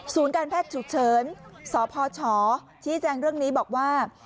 การแพทย์ฉุกเฉินสพชชี้แจงเรื่องนี้บอกว่า